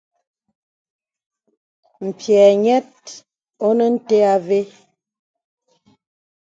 M̀pyɛ̌ nyɛ̄t onə nte avə.